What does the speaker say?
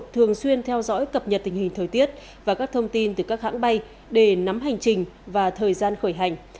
thường xuyên theo dõi cập nhật tình hình thời tiết và các thông tin từ các hãng bay để nắm hành trình và thời gian khởi hành